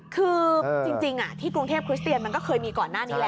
คือจริงที่กรุงเทพคริสเตียนมันก็เคยมีก่อนหน้านี้แล้ว